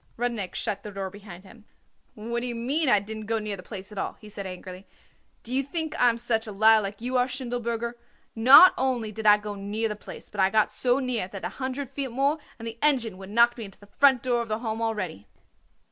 Rudnik shut the door behind him. "What d'ye mean, I didn't go near the place at all?" he said angrily. "Do you think I am such a liar like you are, Schindelberger? Not only did I go near the place, but I got so near it that a hundred feet more and the engine would knocked me into the front door of the Home already."